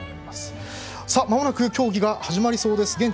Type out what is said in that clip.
まもなく競技が始まりそうです。